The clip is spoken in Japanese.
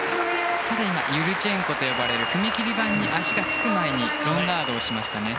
ユルチェンコと呼ばれる踏み切り板に足がつく前にロンダートをしましたね。